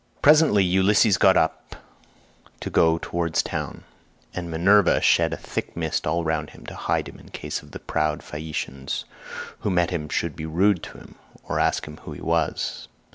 Presently Ulysses got up to go towards the town; and Minerva shed a thick mist all round him to hide him in case any of the proud Phaeacians who met him should be rude to him, or ask him who he was.